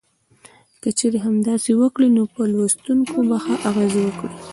که چېرې همداسې وکړي نو په لوستونکو به ښه اغیز وکړي.